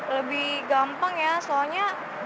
lebih gampang ya soalnya dia terintegrasi